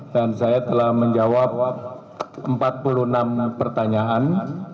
dan saya telah menjawab empat puluh enam pertanyaan